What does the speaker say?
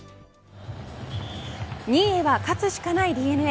２位へは勝つしかないＤｅＮＡ。